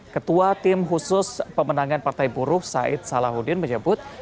ketua tim khusus pemenangan partai buruh said salahuddin menyebut